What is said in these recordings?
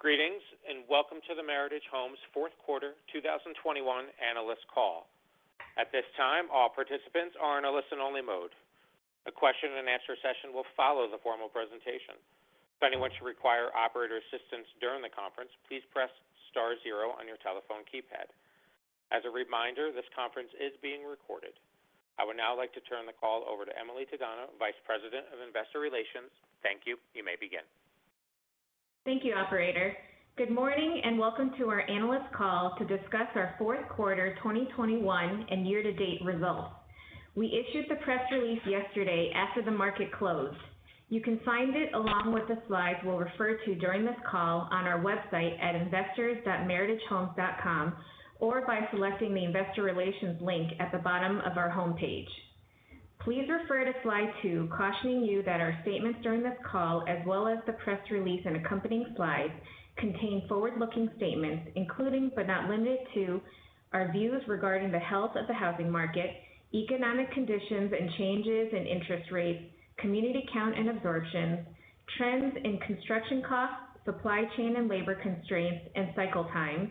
Greetings, and welcome to the Meritage Homes Fourth Quarter 2021 Analyst Call. At this time, all participants are in a listen-only mode. A question-and-answer session will follow the formal presentation. If anyone should require operator assistance during the conference, please press star zero on your telephone keypad. As a reminder, this conference is being recorded. I would now like to turn the call over to Emily Tadano, Vice President of Investor Relations. Thank you. You may begin. Thank you, operator. Good morning, and welcome to our analyst call to discuss our fourth quarter 2021 and year-to-date results. We issued the press release yesterday after the market closed. You can find it along with the slides we'll refer to during this call on our website at investors.meritagehomes.com or by selecting the Investor Relations link at the bottom of our homepage. Please refer to slide two cautioning you that our statements during this call, as well as the press release and accompanying slides, contain forward-looking statements, including, but not limited to our views regarding the health of the housing market, economic conditions and changes in interest rates, community count and absorption, trends in construction costs, supply chain and labor constraints and cycle time,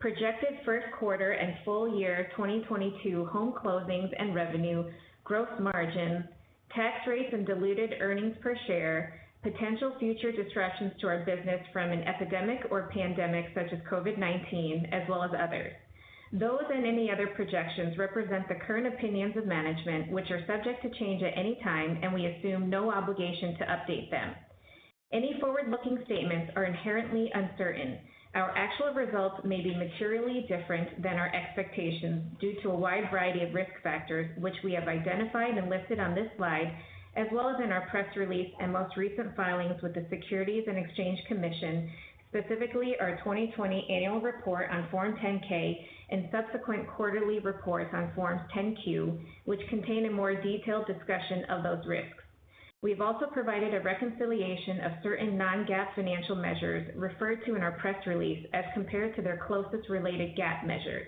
projected first quarter and full-year 2022 home closings and revenue, gross margin, tax rates and diluted earnings per share, potential future disruptions to our business from an epidemic or pandemic such as COVID-19, as well as others. Those and any other projections represent the current opinions of management, which are subject to change at any time, and we assume no obligation to update them. Any forward-looking statements are inherently uncertain. Our actual results may be materially different than our expectations due to a wide variety of risk factors, which we have identified and listed on this slide, as well as in our press release and most recent filings with the Securities and Exchange Commission, specifically our 2020 annual report on Form 10-K and subsequent quarterly reports on Forms 10-Q, which contain a more detailed discussion of those risks. We've also provided a reconciliation of certain non-GAAP financial measures referred to in our press release as compared to their closest related GAAP measures.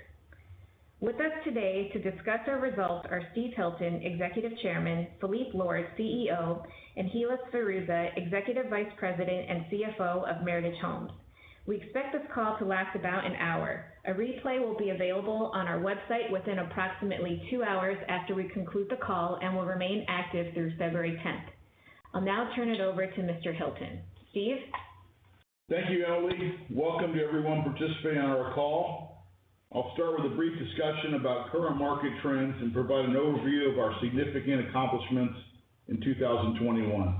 With us today to discuss our results are Steve Hilton, Executive Chairman, Phillippe Lord, CEO, and Hilla Sferruzza, Executive Vice President and CFO of Meritage Homes. We expect this call to last about an hour. A replay will be available on our website within approximately two hours after we conclude the call and will remain active through February 10th. I'll now turn it over to Mr. Hilton. Steve? Thank you, Emily. Welcome to everyone participating on our call. I'll start with a brief discussion about current market trends and provide an overview of our significant accomplishments in 2021.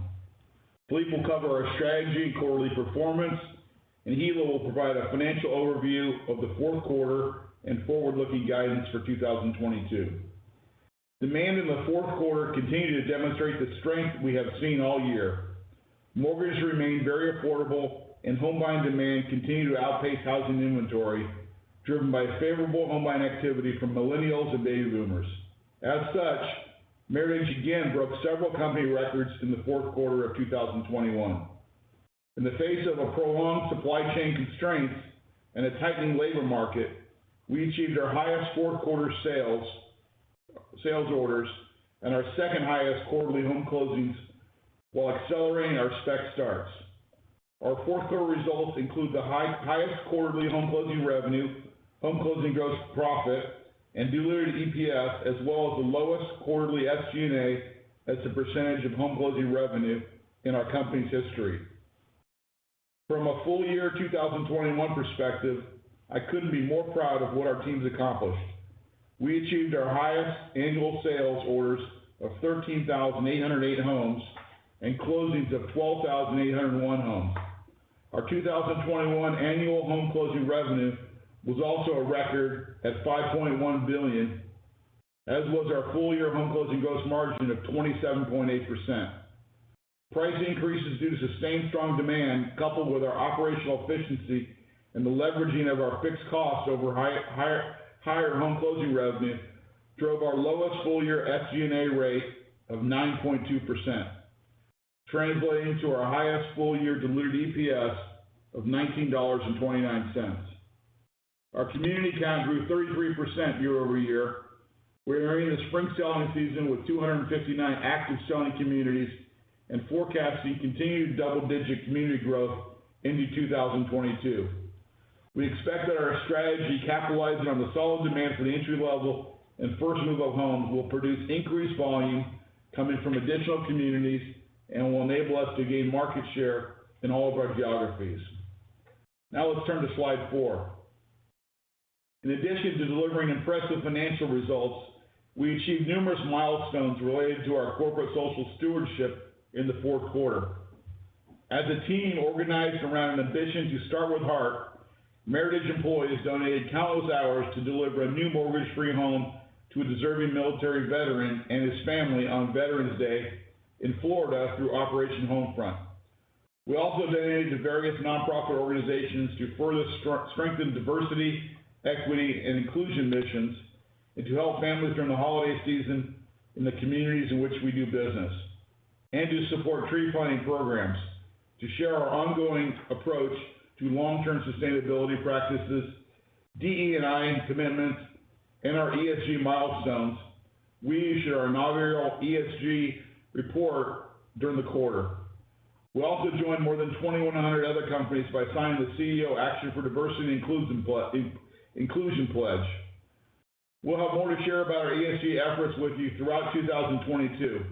Phillippe will cover our strategy and quarterly performance, and Hilla will provide a financial overview of the fourth quarter and forward-looking guidance for 2022. Demand in the fourth quarter continued to demonstrate the strength we have seen all year. Mortgages remain very affordable, and home-buying demand continued to outpace housing inventory, driven by favorable home buying activity from millennials and baby boomers. As such, Meritage again broke several company records in the fourth quarter of 2021. In the face of a prolonged supply chain constraints and a tightening labor market, we achieved our highest fourth quarter sales, sales orders, and our second highest quarterly home closings while accelerating our spec starts. Our fourth quarter results include the highest quarterly home closing revenue, home closing gross profit, and diluted EPS, as well as the lowest quarterly SG&A as a percentage of home closing revenue in our company's history. From a full-year 2021 perspective, I couldn't be more proud of what our teams accomplished. We achieved our highest annual sales orders of 13,800 homes and closings of 12,801 homes. Our 2021 annual home closing revenue was also a record at $5.1 billion, as was our full-year home closing gross margin of 27.8%. Price increases due to sustained strong demand coupled with our operational efficiency and the leveraging of our fixed costs over higher home closing revenue drove our lowest full-year SG&A rate of 9.2%, translating to our highest full-year diluted EPS of $19.29. Our community count grew 33% year-over-year. We are entering the spring selling season with 259 active selling communities and forecasting continued double-digit community growth into 2022. We expect that our strategy capitalizing on the solid demand for the entry level and first move-up homes will produce increased volume coming from additional communities and will enable us to gain market share in all of our geographies. Now let's turn to slide four. In addition to delivering impressive financial results, we achieved numerous milestones related to our corporate social stewardship in the fourth quarter. As a team organized around an ambition to start with heart, Meritage employees donated countless hours to deliver a new mortgage-free home to a deserving military veteran and his family on Veterans Day in Florida through Operation Homefront. We also donated to various nonprofit organizations to further strengthen diversity, equity, and inclusion missions, and to help families during the holiday season in the communities in which we do business, and to support tree-planting programs to share our ongoing approach to long-term sustainability practices. Our DE&I commitments and our ESG milestones, we issued our inaugural ESG report during the quarter. We also joined more than 2,100 other companies by signing the CEO Action for Diversity & Inclusion Pledge. We'll have more to share about our ESG efforts with you throughout 2022.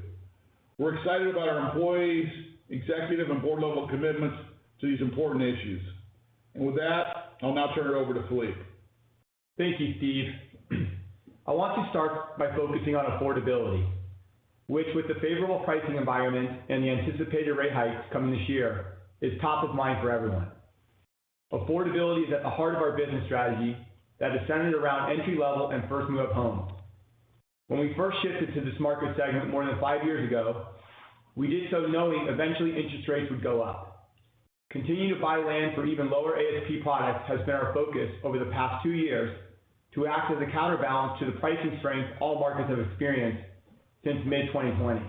We're excited about our employees, executive, and board-level commitments to these important issues. With that, I'll now turn it over to Phillippe. Thank you, Steve. I want to start by focusing on affordability, which with the favorable pricing environment and the anticipated rate hikes coming this year, is top-of-mind for everyone. Affordability is at the heart of our business strategy that is centered around entry-level and first move-up homes. When we first shifted to this market segment more than five years ago, we did so knowing eventually interest rates would go up. Continuing to buy land for even lower ASP products has been our focus over the past two years to act as a counterbalance to the pricing strength all markets have experienced since mid-2020.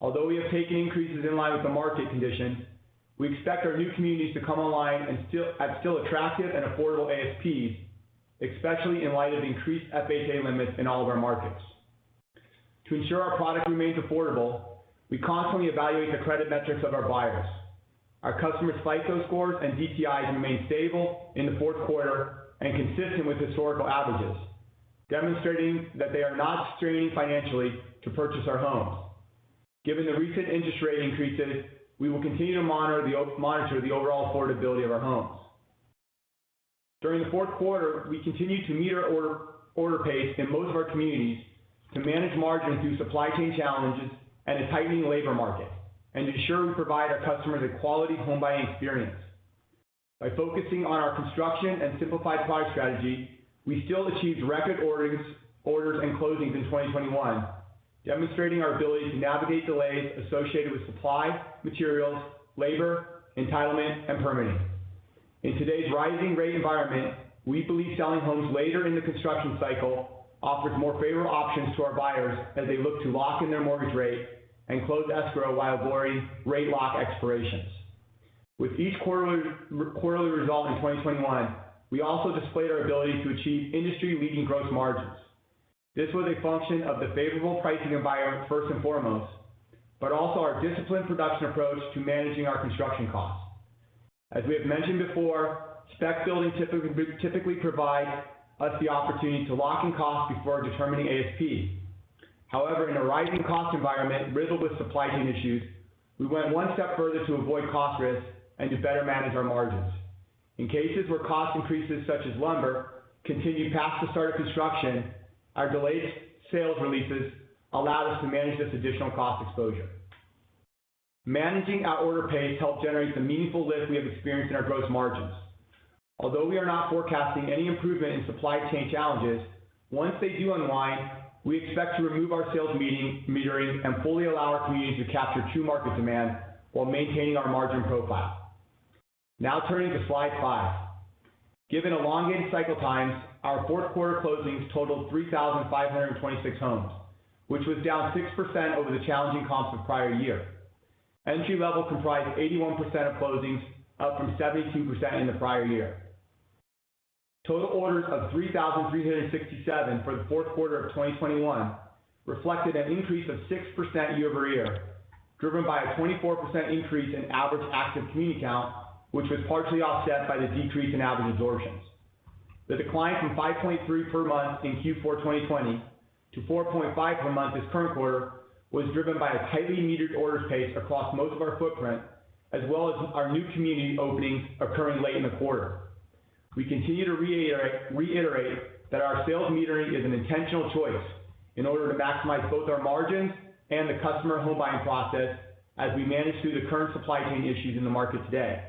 Although we have taken increases in line with the market condition, we expect our new communities to come online at still attractive and affordable ASPs, especially in light of increased FHA limits in all of our markets. To ensure our product remains affordable, we constantly evaluate the credit metrics of our buyers. Our customers' FICO scores and DTIs remained stable in the fourth quarter and consistent with historical averages, demonstrating that they are not straining financially to purchase our homes. Given the recent interest rate increases, we will continue to monitor the overall affordability of our homes. During the fourth quarter, we continued to meet our order pace in most of our communities to manage margins through supply chain challenges and a tightening labor market, and to ensure we provide our customers a quality home buying experience. By focusing on our construction and simplified product strategy, we still achieved record orders and closings in 2021, demonstrating our ability to navigate delays associated with supply, materials, labor, entitlement, and permitting. In today's rising rate environment, we believe selling homes later in the construction cycle offers more favorable options to our buyers as they look to lock in their mortgage rate and close escrow while avoiding rate lock expirations. With each quarterly result in 2021, we also displayed our ability to achieve industry-leading gross margins. This was a function of the favorable pricing environment first and foremost, but also our disciplined production approach to managing our construction costs. As we have mentioned before, spec building typically provide us the opportunity to lock in costs before determining ASP. However, in a rising cost environment riddled with supply chain issues, we went one step further to avoid cost risks and to better manage our margins. In cases where cost increases such as lumber continued past the start of construction, our delayed sales releases allowed us to manage this additional cost exposure. Managing our order pace helped generate the meaningful lift we have experienced in our gross margins. Although we are not forecasting any improvement in supply chain challenges, once they do unwind, we expect to remove our sales metering and fully allow our communities to capture true market demand while maintaining our margin profile. Now turning to slide five. Given elongated cycle times, our fourth quarter closings totaled 3,526 homes, which was down 6% over the challenging comps of the prior year. Entry-level comprised 81% of closings, up from 72% in the prior year. Total orders of 3,367 for the fourth quarter of 2021 reflected an increase of 6% year-over-year, driven by a 24% increase in average active community count, which was partially offset by the decrease in average absorptions. The decline from 5.3 per month in Q4 2020 to 4.5 per month this current quarter was driven by a tightly-metered orders pace across most of our footprint, as well as our new community openings occurring late in the quarter. We continue to reiterate that our sales metering is an intentional choice in order to maximize both our margins and the customer home-buying process as we manage through the current supply chain issues in the market today.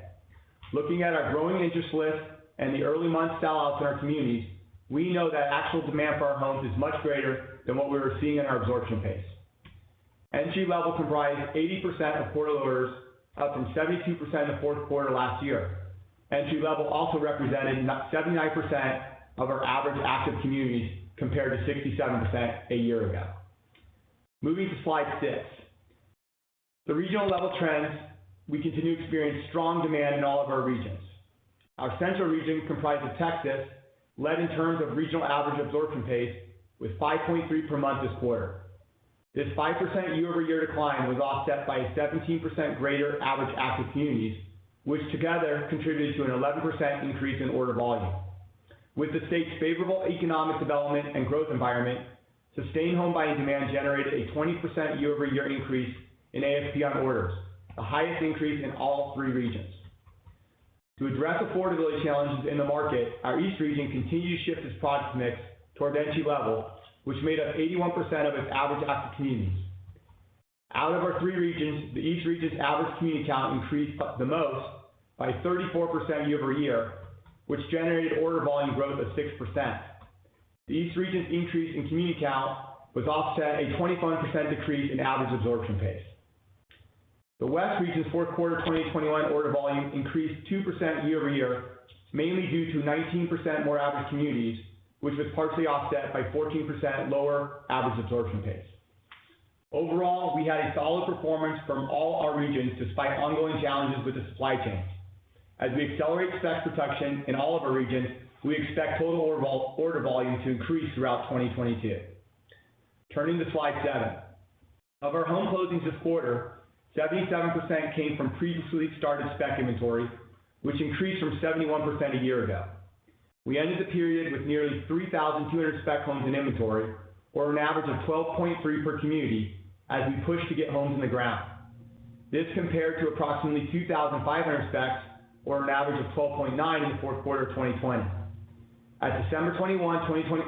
Looking at our growing interest list and the early month sellouts in our communities, we know that actual demand for our homes is much greater than what we were seeing in our absorption pace. Entry level comprised 80% of quarter orders, up from 72% in the fourth quarter last year. Entry level also represented 79% of our average active communities, compared to 67% a year ago. Moving to slide six. The regional level trends, we continue to experience strong demand in all of our regions. Our central region, comprised of Texas, led in terms of regional average absorption pace with 5.3 per month this quarter. This 5% year-over-year decline was offset by a 17% greater average active communities, which together contributed to an 11% increase in order volume. With the state's favorable economic development and growth environment, sustained home buying demand generated a 20% year-over-year increase in ASP on orders, the highest increase in all three regions. To address affordability challenges in the market, our east region continued to shift its product mix toward entry-level, which made up 81% of its average active communities. Out of our three regions, the east region's average community count increased the most by 34% year-over-year, which generated order volume growth of 6%. The east region's increase in community count was offset by a 25% decrease in average absorption pace. The West region's fourth quarter 2021 order volume increased 2% year-over-year, mainly due to 19% more average communities, which was partially offset by 14% lower average absorption pace. Overall, we had a solid performance from all our regions despite ongoing challenges with the supply chains. As we accelerate spec production in all of our regions, we expect total overall order volume to increase throughout 2022. Turning to slide seven. Of our home closings this quarter, 77% came from previously-started spec inventory, which increased from 71% a year ago. We ended the period with nearly 3,200 spec homes in inventory, or an average of 12.3 per community as we push to get homes in the ground. This compared to approximately 2,500 specs or an average of 12.9 in the fourth quarter of 2020. As of December 31, 2021,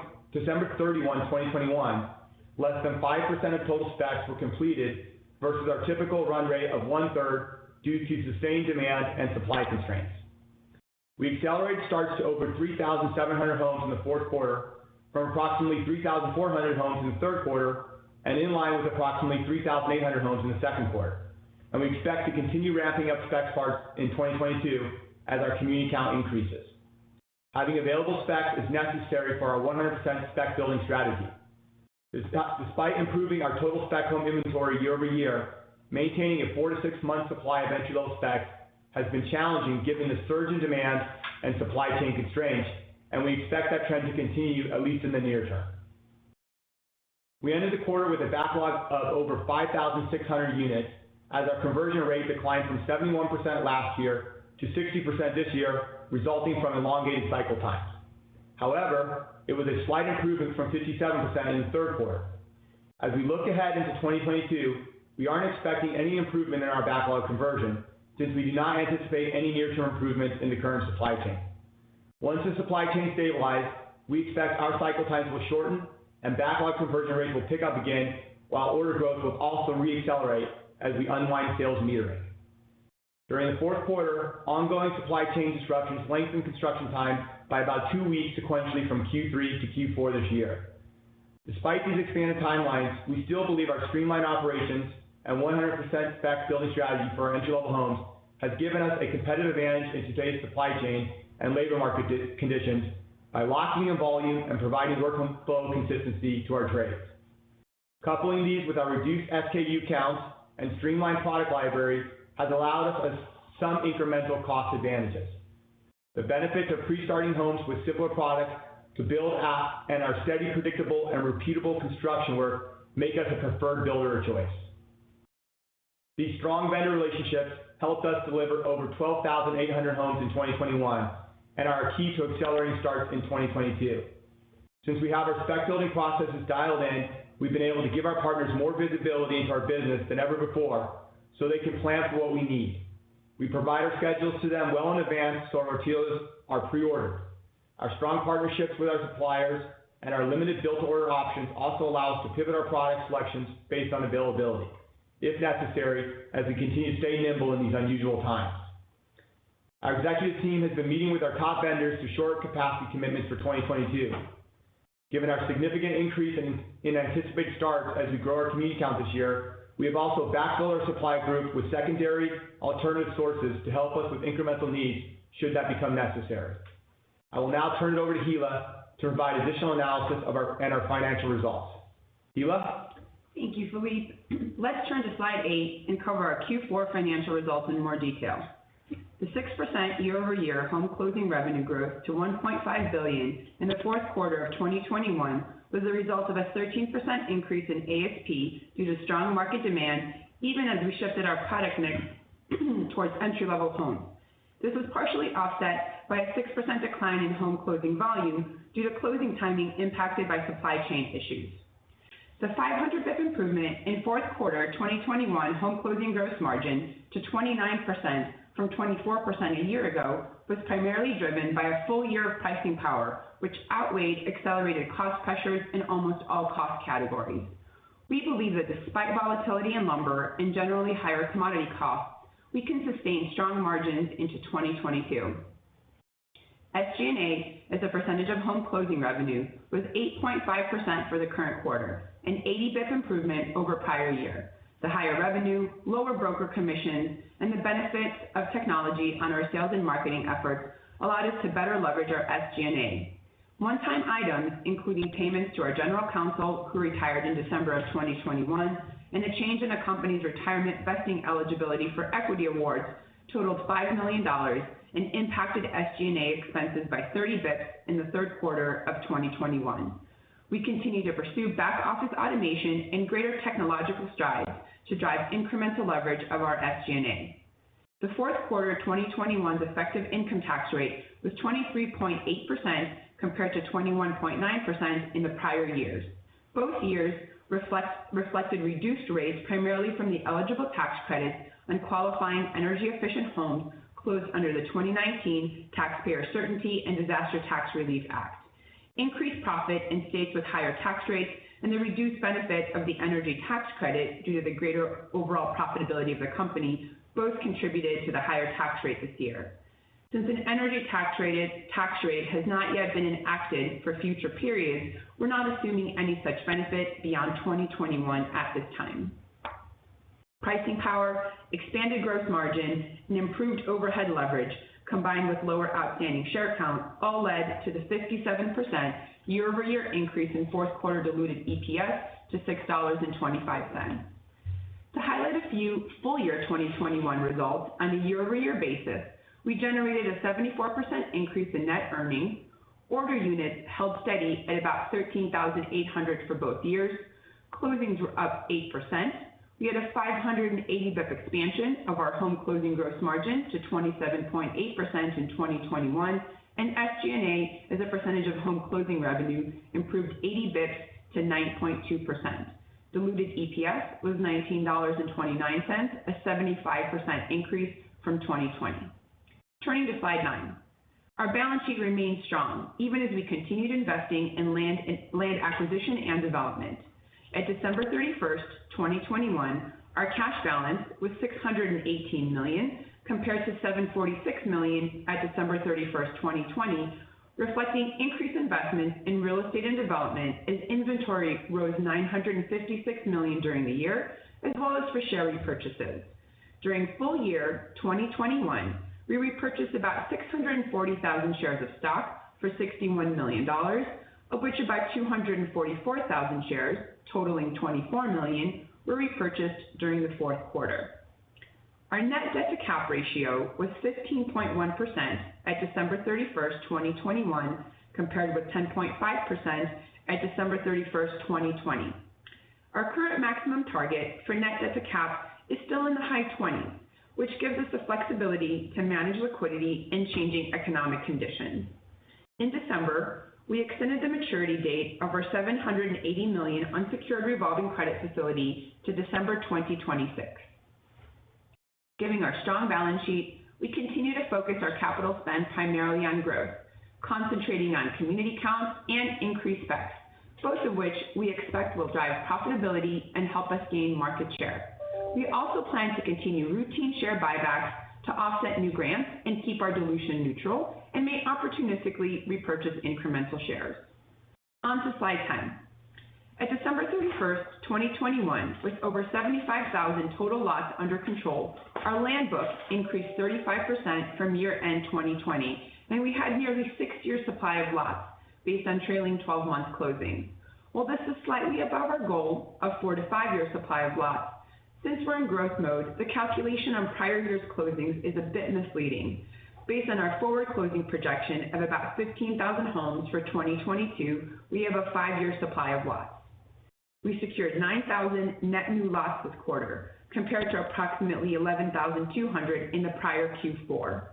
less than 5% of total specs were completed versus our typical run rate of 1/3 due to sustained demand and supply constraints. We accelerated starts to over 3,700 homes in the fourth quarter from approximately 3,400 homes in the third quarter and in line with approximately 3,800 homes in the second quarter. We expect to continue ramping up spec starts in 2022 as our community count increases. Having available specs is necessary for our 100% spec-building strategy. Despite improving our total spec home inventory year-over-year, maintaining a four- to six-month supply of entry-level specs has been challenging given the surge in demand and supply chain constraints, and we expect that trend to continue at least in the near term. We ended the quarter with a backlog of over 5,600 units as our conversion rate declined from 71% last year to 60% this year, resulting from elongated cycle times. However, it was a slight improvement from 57% in the third quarter. As we look ahead into 2022, we aren't expecting any improvement in our backlog conversion since we do not anticipate any near-term improvements in the current supply chain. Once the supply chain stabilize, we expect our cycle times will shorten and backlog conversion rates will pick up again while order growth will also re-accelerate as we unwind sales metering. During the fourth quarter, ongoing supply chain disruptions lengthened construction time by about two weeks sequentially from Q3 to Q4 this year. Despite these expanded timelines, we still believe our streamlined operations and 100% spec-building strategy for our entry-level homes has given us a competitive advantage in today's supply chain and labor market conditions by locking in volume and providing workflow consistency to our trades. Coupling these with our reduced SKU counts and streamlined product library has allowed us some incremental cost advantages. The benefits of pre-starting homes with simpler products to build at and our steady, predictable, and repeatable construction work make us a preferred builder of choice. These strong vendor relationships helped us deliver over 12,800 homes in 2021 and are key to accelerating starts in 2022. Since we have our spec-building processes dialed in, we've been able to give our partners more visibility into our business than ever before, so they can plan for what we need. We provide our schedules to them well in advance so our materials are pre-ordered. Our strong partnerships with our suppliers and our limited build-to-order options also allow us to pivot our product selections based on availability, if necessary, as we continue to stay nimble in these unusual times. Our executive team has been meeting with our top vendors to shore up capacity commitments for 2022. Given our significant increase in anticipated starts as we grow our community count this year, we have also backfilled our supply group with secondary alternative sources to help us with incremental needs should that become necessary. I will now turn it over to Hilla to provide additional analysis of our financial results. Hilla. Thank you, Phillippe. Let's turn to slide eight and cover our Q4 financial results in more detail. The 6% year-over-year home closing revenue growth to $1.5 billion in the fourth quarter of 2021 was the result of a 13% increase in ASP due to strong market demand, even as we shifted our product mix towards entry-level homes. This was partially offset by a 6% decline in home closing volume due to closing timing impacted by supply chain issues. The 500 basis points improvement in fourth quarter 2021 home closing gross margins to 29% from 24% a year ago was primarily driven by a full year of pricing power, which outweighed accelerated cost pressures in almost all cost categories. We believe that despite volatility in lumber and generally higher commodity costs, we can sustain strong margins into 2022. SG&A, as a percentage of home closing revenue, was 8.5% for the current quarter, an 80 basis points improvement over prior year. The higher revenue, lower broker commission, and the benefits of technology on our sales and marketing efforts allowed us to better leverage our SG&A. One-time items, including payments to our general counsel who retired in December of 2021, and a change in the company's retirement vesting eligibility for equity awards totaled $5 million and impacted SG&A expenses by 30 basis points in the third quarter of 2021. We continue to pursue back office automation and greater technological strides to drive incremental leverage of our SG&A. The fourth quarter of 2021's effective income tax rate was 23.8% compared to 21.9% in the prior years. Both years reflected reduced rates primarily from the eligible tax credits on qualifying energy-efficient homes closed under the 2019 Taxpayer Certainty and Disaster Tax Relief Act. Increased profit in states with higher tax rates and the reduced benefit of the energy tax credit due to the greater overall profitability of the company both contributed to the higher tax rate this year. Since an energy tax rate has not yet been enacted for future periods, we're not assuming any such benefit beyond 2021 at this time. Pricing power, expanded gross margin, and improved overhead leverage combined with lower outstanding share count all led to the 67% year-over-year increase in fourth quarter diluted EPS to $6.25. To highlight a few full-year 2021 results on a year-over-year basis, we generated a 74% increase in net earnings. Order units held steady at about 13,800 for both years. Closings were up 8%. We had a 580 basis points expansion of our home closing gross margin to 27.8% in 2021, and SG&A as a percentage of home closing revenue improved 80 basis points to 9.2%. Diluted EPS was $19.29, a 75% increase from 2020. Turning to slide nine. Our balance sheet remains strong even as we continued investing in land acquisition and development. At December 31, 2021, our cash balance was $618 million, compared to $746 million at December 31, 2020, reflecting increased investments in real estate and development as inventory rose $956 million during the year, as well as for share repurchases. During full-year 2021, we repurchased about 640,000 shares of stock for $61 million, of which about 244,000 shares totaling $24 million were repurchased during the fourth quarter. Our net-debt-to-cap ratio was 15.1% at December 31, 2021, compared with 10.5% at December 31, 2020. Our current maximum target for net-debt-to-cap is still in the high 20s, which gives us the flexibility to manage liquidity in changing economic conditions. In December, we extended the maturity date of our $780 million unsecured revolving credit facility to December 2026. Given our strong balance sheet, we continue to focus our capital spend primarily on growth, concentrating on community counts and increased specs, both of which we expect will drive profitability and help us gain market share. We also plan to continue routine share buybacks to offset new grants and keep our dilution neutral, and may opportunistically repurchase incremental shares. On to slide 10. At December 31, 2021, with over 75,000 total lots under control, our land books increased 35% from year-end 2020, and we had nearly six years supply of lots based on trailing twelve months closings. While this is slightly above our goal of four-five years' supply of lots, since we're in growth mode, the calculation on prior years closings is a bit misleading. Based on our forward closing projection of about 15,000 homes for 2022, we have a five-year supply of lots. We secured 9,000 net new lots this quarter, compared to approximately 11,200 in the prior Q4.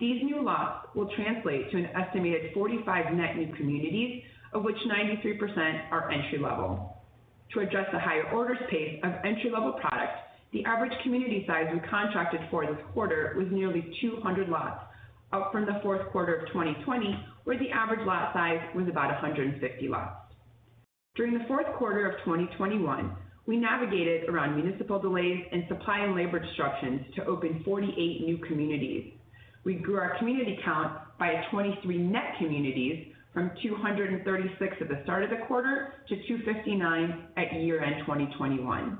These new lots will translate to an estimated 45 net new communities, of which 93% are entry-level. To address the higher orders pace of entry-level products, the average community size we contracted for this quarter was nearly 200 lots, up from the fourth quarter of 2020, where the average lot size was about 150 lots. During the fourth quarter of 2021, we navigated around municipal delays and supply and labor disruptions to open 48 new communities. We grew our community count by a 23 net communities from 236 at the start of the quarter to 259 at year-end 2021.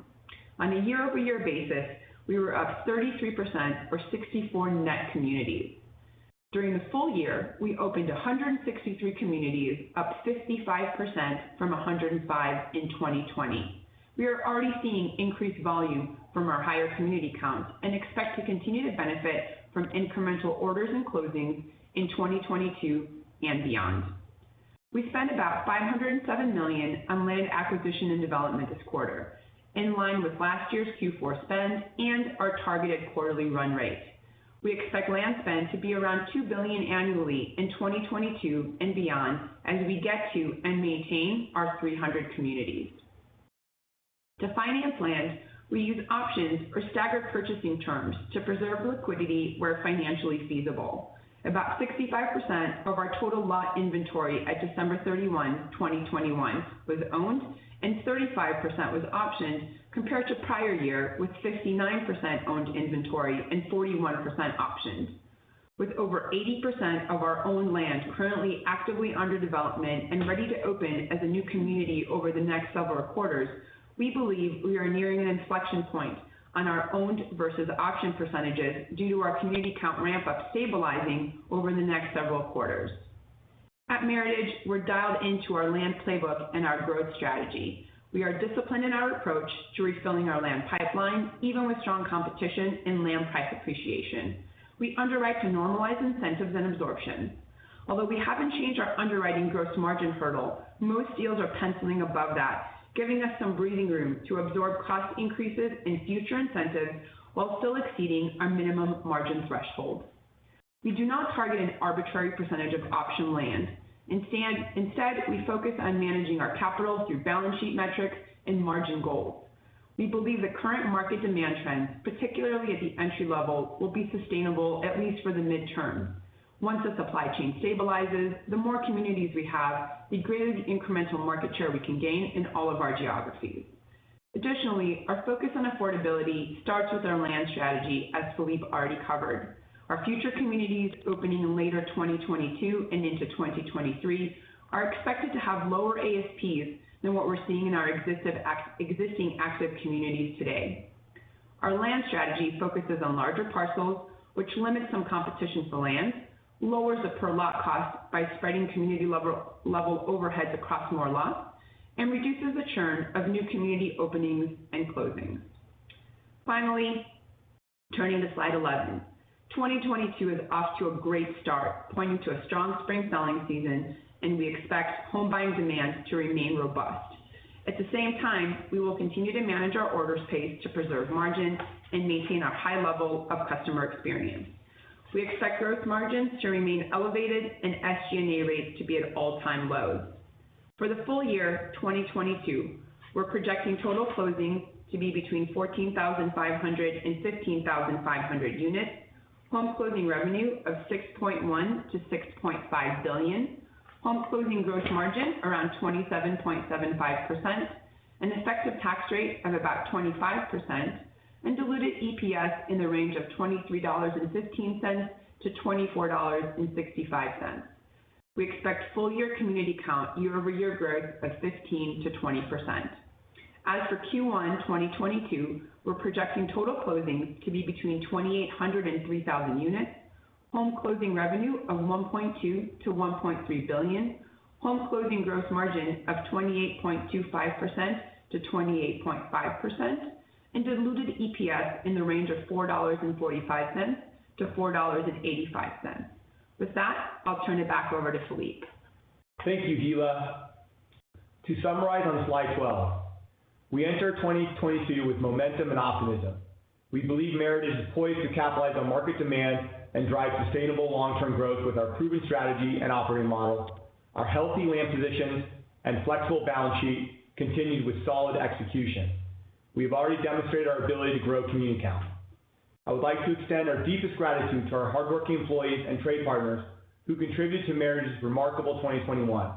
On a year-over-year basis, we were up 33% or 64 net communities. During the full year, we opened 163 communities, up 55% from 105 in 2020. We are already seeing increased volume from our higher community count and expect to continue to benefit from incremental orders and closings in 2022 and beyond. We spent about $507 million on land acquisition and development this quarter, in line with last year's Q4 spend and our targeted quarterly run rate. We expect land spend to be around $2 billion annually in 2022 and beyond as we get to and maintain our 300 communities. To finance land, we use options or staggered purchasing terms to preserve liquidity where financially feasible. About 65% of our total lot inventory at December 31, 2021, was owned and 35% was optioned compared to prior year, with 69% owned inventory and 41% optioned. With over 80% of our owned land currently actively under development and ready to open as a new community over the next several quarters, we believe we are nearing an inflection point on our owned versus option percentages due to our community count ramp up stabilizing over the next several quarters. At Meritage, we're dialed into our land playbook and our growth strategy. We are disciplined in our approach to refilling our land pipeline, even with strong competition and land price appreciation. We underwrite to normalize incentives and absorption. Although we haven't changed our underwriting gross margin hurdle, most deals are penciling above that, giving us some breathing room to absorb cost increases and future incentives while still exceeding our minimum margin threshold. We do not target an arbitrary percentage of option land. Instead, we focus on managing our capital through balance sheet metrics and margin goals. We believe the current market demand trend, particularly at the entry level, will be sustainable at least for the midterm. Once the supply chain stabilizes, the more communities we have, the greater the incremental market share we can gain in all of our geographies. Additionally, our focus on affordability starts with our land strategy, as Phillippe already covered. Our future communities opening in later 2022 and into 2023 are expected to have lower ASPs than what we're seeing in our existing active communities today. Our land strategy focuses on larger parcels, which limits some competition for land, lowers the per lot cost by spreading community level overheads across more lots, and reduces the churn of new community openings and closings. Finally, turning to slide 11. 2022 is off to a great start, pointing to a strong spring-selling season, and we expect home buying demand to remain robust. At the same time, we will continue to manage our orders pace to preserve margins and maintain our high level of customer experience. We expect gross margins to remain elevated and SG&A rates to be at all-time lows. For the full-year 2022, we're projecting total closings to be between 14,500 and 15,500 units. Home closing revenue of $6.1 billion-$6.5 billion. Home closing gross margin around 27.75%. An effective tax rate of about 25%. Diluted EPS in the range of $23.15-$24.65. We expect full-year community count year-over-year growth of 15%-20%. As for Q1 2022, we're projecting total closings to be between 2,800 and 3,000 units. Home closing revenue of $1.2 billion-$1.3 billion. Home closing gross margin of 28.25%-28.5%. Diluted EPS in the range of $4.45-$4.85. With that, I'll turn it back over to Phillippe. Thank you, Hilla. To summarize on slide 12, we enter 2022 with momentum and optimism. We believe Meritage is poised to capitalize on market demand and drive sustainable long-term growth with our proven strategy and operating model, our healthy land position, and flexible balance sheet continued with solid execution. We have already demonstrated our ability to grow community count. I would like to extend our deepest gratitude to our hardworking employees and trade partners who contributed to Meritage's remarkable 2021.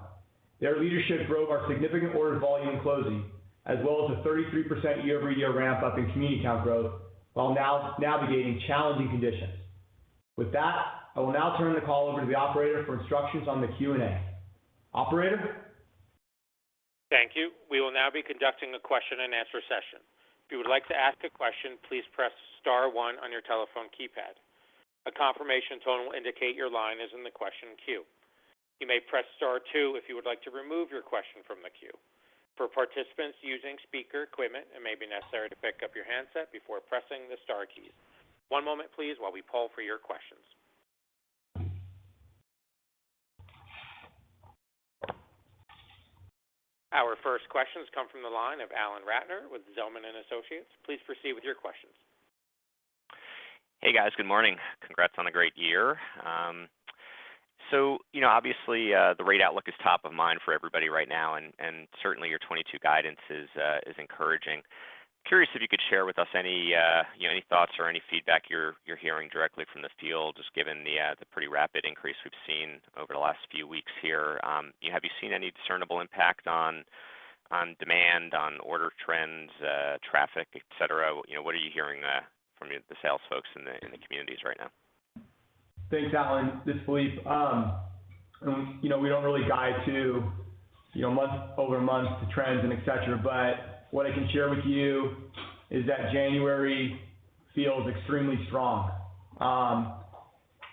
Their leadership drove our significant orders volume and closings, as well as a 33% year-over-year ramp up in community count growth while navigating challenging conditions. With that, I will now turn the call over to the operator for instructions on the Q&A. Operator? Thank you. We will now be conducting a question-and-answer session. If you would like to ask a question, please press star one on your telephone keypad. A confirmation tone will indicate your line is in the question queue. You may press star two if you would like to remove your question from the queue. For participants using speaker equipment, it may be necessary to pick up your handset before pressing the star keys. One moment please while we poll for your questions. Our first questions come from the line of Alan Ratner with Zelman & Associates. Please proceed with your questions. Hey, guys. Good morning. Congrats on a great year. So, you know, obviously, the rate outlook is top-of-mind for everybody right now, and certainly your 2022 guidance is encouraging. Curious if you could share with us any, you know, any thoughts or any feedback you're hearing directly from the field, just given the pretty rapid increase we've seen over the last few weeks here. Have you seen any discernible impact on demand, on order trends, traffic, et cetera? You know, what are you hearing from the sales folks in the communities right now? Thanks, Alan. This is Phillippe. You know, we don't really guide to, you know, month-over-month trends and et cetera, but what I can share with you is that January feels extremely strong.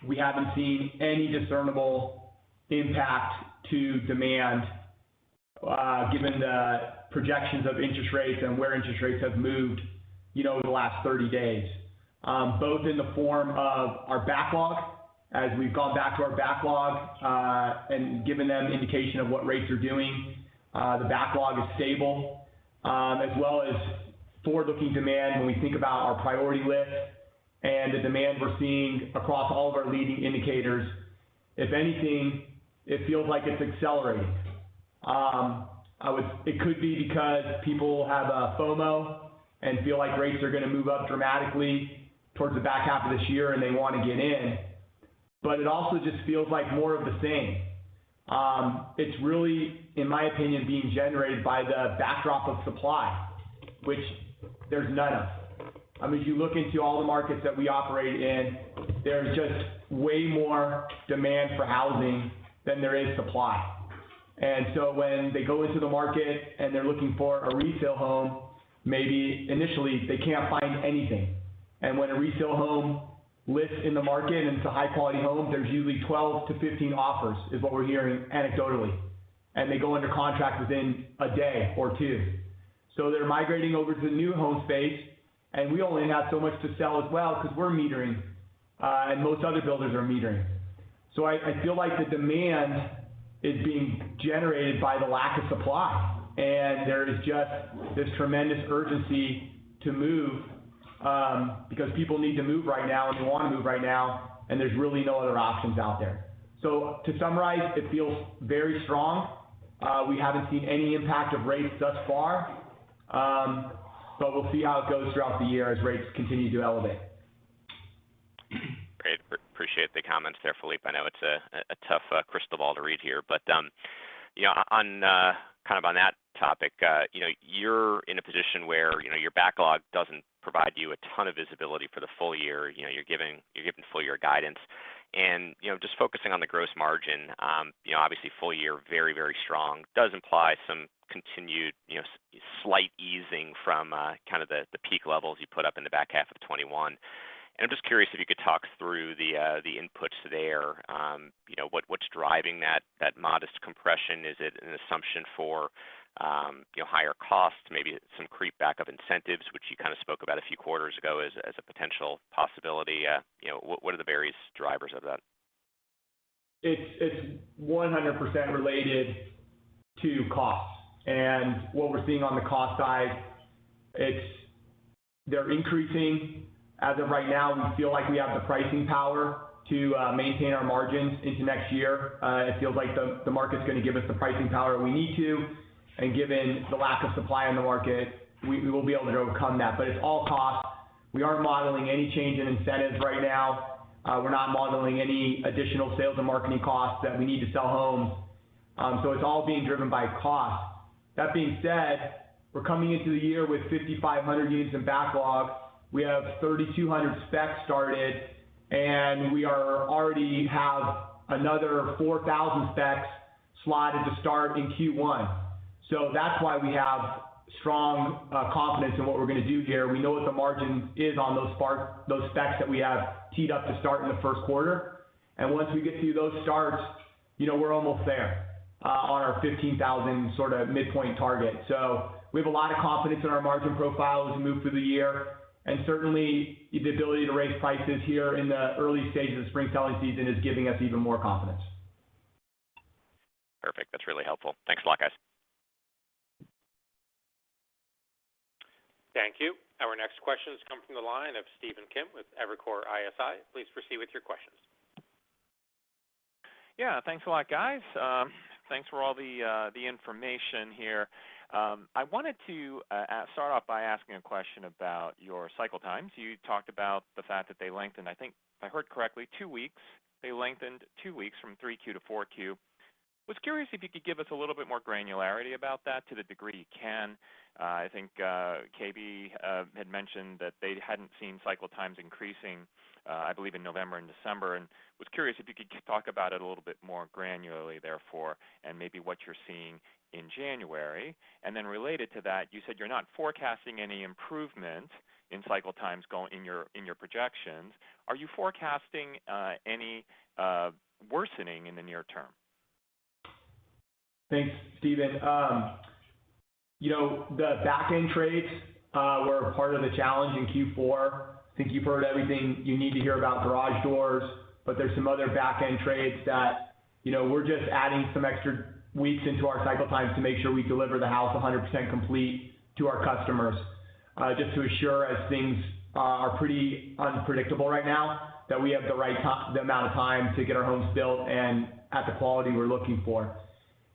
We haven't seen any discernible impact to demand, given the projections of interest rates and where interest rates have moved, you know, over the last 30 days, both in the form of our backlog. As we've gone back to our backlog, and given them indication of what rates are doing, the backlog is stable. As well as forward-looking demand when we think about our priority list and the demand we're seeing across all of our leading indicators. If anything, it feels like it's accelerating. It could be because people have a FOMO and feel like rates are going to move up dramatically towards the back half of this year and they want to get in. It also just feels like more of the same. It's really, in my opinion, being generated by the backdrop of supply, which there's none of. I mean, if you look into all the markets that we operate in, there's just way more demand for housing than there is supply. When they go into the market and they're looking for a resale home, maybe initially they can't find anything. When a resale home lists in the market, and it's a high-quality home, there's usually 12-15 offers, is what we're hearing anecdotally. They go under contract within a day or two. They're migrating over to the new home space, and we only have so much to sell as well because we're metering, and most other builders are metering. I feel like the demand is being generated by the lack of supply, and there is just this tremendous urgency to move, because people need to move right now and they want to move right now, and there's really no other options out there. To summarize, it feels very strong. We haven't seen any impact of rates thus far, but we'll see how it goes throughout the year as rates continue to elevate. Great. Appreciate the comments there, Phillippe. I know it's a tough crystal ball to read here. You know, kind of on that topic, you know, you're in a position where, you know, your backlog doesn't provide you a ton of visibility for the full year. You know, you're giving full-year guidance. You know, just focusing on the gross margin, you know, obviously full year, very, very strong. Does imply some continued, you know, slight easing from kind of the peak levels you put up in the back half of 2021. I'm just curious if you could talk through the inputs there, you know, what's driving that modest compression? Is it an assumption for higher costs, maybe some creep back of incentives, which you kind of spoke about a few quarters ago as a potential possibility? You know, what are the various drivers of that? It's 100% related to costs. What we're seeing on the cost side, they're increasing. As of right now, we feel like we have the pricing power to maintain our margins into next year. It feels like the market's gonna give us the pricing power we need to. Given the lack of supply in the market, we will be able to overcome that. It's all cost. We aren't modeling any change in incentives right now. We're not modeling any additional sales and marketing costs that we need to sell homes. It's all being driven by cost. That being said, we're coming into the year with 5,500 units in backlog. We have 3,200 specs started, and we already have another 4,000 specs slotted to start in Q1. That's why we have strong confidence in what we're gonna do here. We know what the margin is on those specs that we have teed up to start in the first quarter. Once we get through those starts, you know, we're almost there on our 15,000 sort of midpoint target. We have a lot of confidence in our margin profile as we move through the year. Certainly the ability to raise prices here in the early stages of spring selling season is giving us even more confidence. Perfect. That's really helpful. Thanks a lot, guys. Thank you. Our next question is coming from the line of Stephen Kim with Evercore ISI. Please proceed with your questions. Thanks a lot, guys. Thanks for all the information here. I wanted to start off by asking a question about your cycle times. You talked about the fact that they lengthened, I think if I heard correctly, two weeks. They lengthened two weeks from 3Q to 4Q. Was curious if you could give us a little bit more granularity about that to the degree you can. I think KB had mentioned that they hadn't seen cycle times increasing, I believe in November and December, and was curious if you could just talk about it a little bit more granularly, therefore, and maybe what you're seeing in January. Then related to that, you said you're not forecasting any improvement in cycle times in your projections. Are you forecasting any worsening in the near term? Thanks, Stephen. You know, the back-end trades were part of the challenge in Q4. I think you've heard everything you need to hear about garage doors, but there's some other back-end trades that, you know, we're just adding some extra weeks into our cycle times to make sure we deliver the house 100% complete to our customers, just to assure as things are pretty unpredictable right now, that we have the right amount of time to get our homes built and at the quality we're looking for.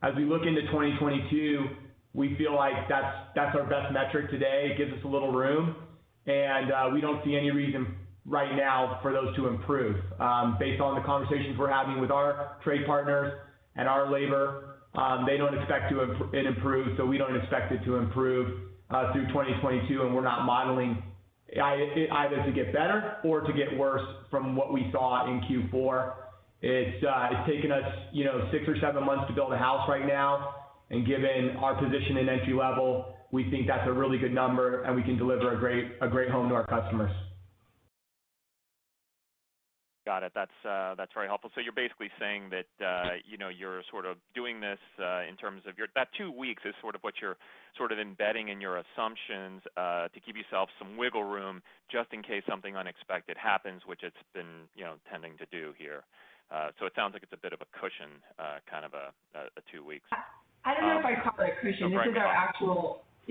As we look into 2022, we feel like that's our best metric today. It gives us a little room, and we don't see any reason right now for those to improve. Based on the conversations we're having with our trade partners and our labor, they don't expect it to improve, so we don't expect it to improve through 2022, and we're not modeling it either to get better or to get worse from what we saw in Q4. It's taken us, you know, six or seven months to build a house right now. Given our position in entry-level, we think that's a really good number, and we can deliver a great home to our customers. Got it. That's very helpful. So you're basically saying that, you know, you're sort of doing this in terms of that two weeks is sort of what you're sort of embedding in your assumptions to give yourself some wiggle room just in case something unexpected happens, which it's been, you know, tending to do here. So it sounds like it's a bit of a cushion, kind of a two weeks. I don't know if I'd call it a cushion.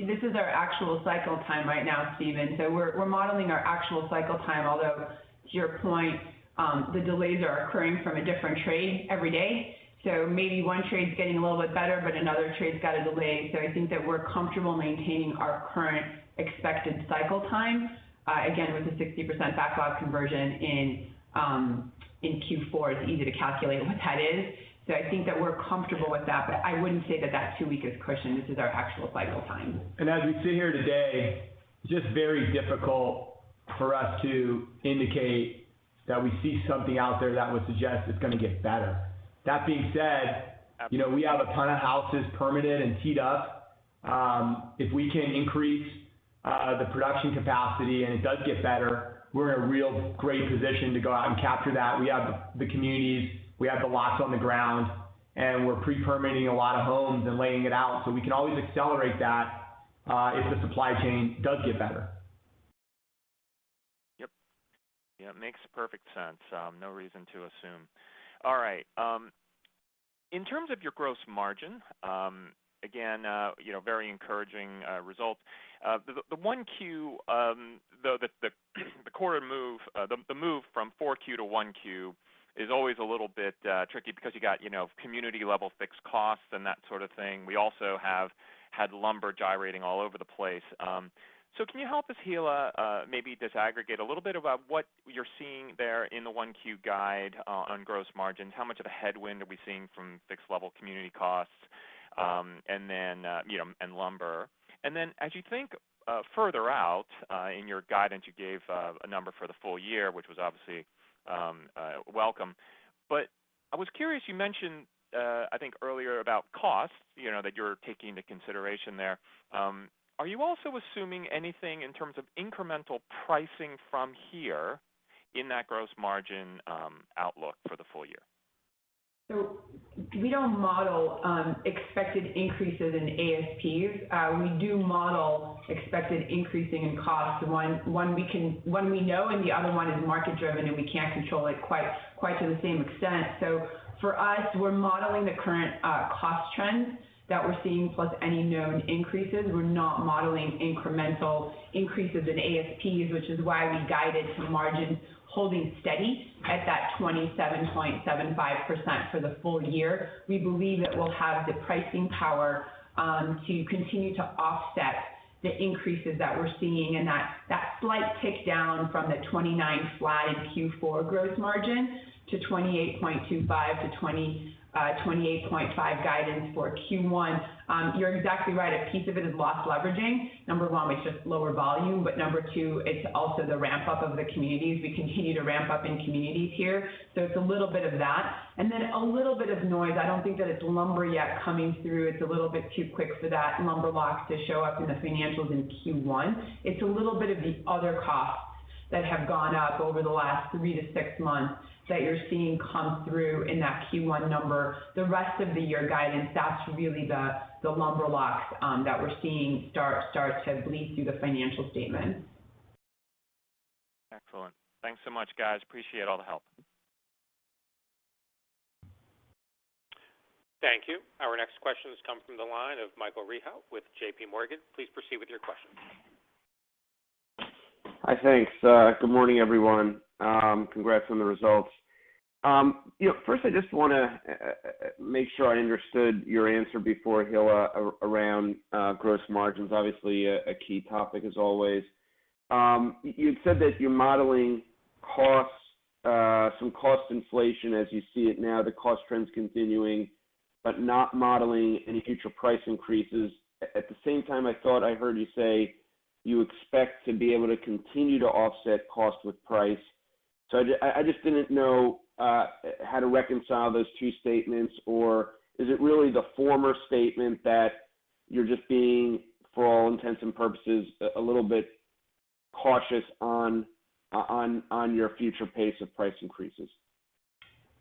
This is our actual cycle time right now, Stephen. We're modeling our actual cycle time, although to your point, the delays are occurring from a different trade every day. Maybe one trade's getting a little bit better, but another trade's got a delay. I think that we're comfortable maintaining our current expected cycle time. Again, with the 60% backlog conversion in Q4, it's easy to calculate what that is. I think that we're comfortable with that, but I wouldn't say that two-week is cushion. This is our actual cycle time. As we sit here today, just very difficult for us to indicate that we see something out there that would suggest it's gonna get better. That being said, you know, we have a ton of houses permitted and teed up. If we can increase the production capacity and it does get better, we're in a real great position to go out and capture that. We have the communities, we have the lots on the ground, and we're pre-permitting a lot of homes and laying it out, so we can always accelerate that if the supply chain does get better. Yep. Yeah, makes perfect sense. No reason to assume. All right. In terms of your gross margin, again, you know, very encouraging results. The 1Q, though the move from 4Q to 1Q is always a little bit tricky because you got, you know, community level fixed costs and that sort of thing. We also have had lumber gyrating all over the place. Can you help us here, maybe disaggregate a little bit about what you're seeing there in the 1Q guide on gross margins? How much of a headwind are we seeing from fixed level community costs, you know, and lumber? As you think further out in your guidance, you gave a number for the full year, which was obviously welcome. I was curious. You mentioned I think earlier about costs, you know, that you're taking into consideration there. Are you also assuming anything in terms of incremental pricing from here in that gross margin outlook for the full year? We don't model expected increases in ASPs. We do model expected increases in costs. One we know and the other one is market-driven, and we can't control it quite to the same extent. For us, we're modeling the current cost trends that we're seeing plus any known increases. We're not modeling incremental increases in ASPs, which is why we guided to margin holding steady at that 27.75% for the full year. We believe that we'll have the pricing power to continue to offset the increases that we're seeing and that slight tick down from the 29% flat in Q4 gross margin to 28.25%-28.5% guidance for Q1. You're exactly right. A piece of it is lost leveraging. Number one, it's just lower volume. Number two, it's also the ramp up of the communities. We continue to ramp up in communities here. It's a little bit of that and then a little bit of noise. I don't think that it's lumber yet coming through. It's a little bit too quick for that lumber lock to show up in the financials in Q1. It's a little bit of the other costs that have gone up over the last three-six months that you're seeing come through in that Q1 number. The rest of the year guidance, that's really the lumber locks that we're seeing start to bleed through the financial statement. Excellent. Thanks so much, guys. Appreciate all the help. Thank you. Our next question comes from the line of Michael Rehaut with JPMorgan. Please proceed with your question. Hi. Thanks. Good morning, everyone. Congrats on the results. You know, first, I just wanna make sure I understood your answer before, Hilla, around gross margins. Obviously a key topic as always. You said that you're modeling costs, some cost inflation as you see it now, the cost trends continuing, but not modeling any future price increases. At the same time, I thought I heard you say you expect to be able to continue to offset cost with price. So I just didn't know how to reconcile those two statements. Or is it really the former statement that you're just being, for all intents and purposes, a little bit cautious on your future pace of price increases?